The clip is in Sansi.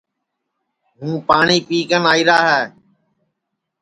ہوں پاٹؔی پی کن آئیرا ہے